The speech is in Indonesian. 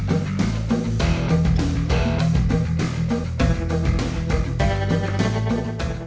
mamang mau dibeliin makanan